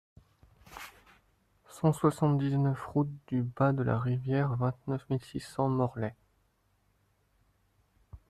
cent soixante-dix-neuf route du Bas de la Rivière, vingt-neuf mille six cents Morlaix